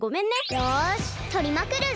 よしとりまくるぞ！